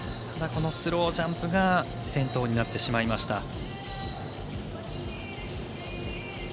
ただ、スロージャンプが転倒になってしまいました。